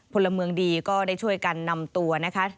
พลเมืองดีก็ได้ช่วยกันนำตัวนะคะ